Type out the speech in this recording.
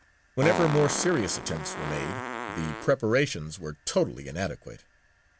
Whenever more serious attempts were made, the preparations were totally inadequate.